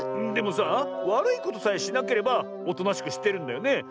でもさあわるいことさえしなければおとなしくしてるんだよね？